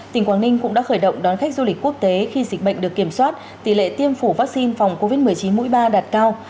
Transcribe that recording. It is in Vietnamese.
tỉnh quảng ninh cũng đã khởi động đón khách du lịch quốc tế khi dịch bệnh được kiểm soát tỷ lệ tiêm chủng vaccine phòng covid một mươi chín mũi ba đạt cao